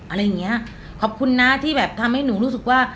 อะไรอย่างเงี้ยขอบคุณนะที่แบบทำให้หนูรู้สึกว่า